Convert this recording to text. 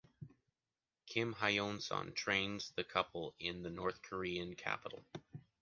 Kim Hyon-son trains the couple in the North Korean capital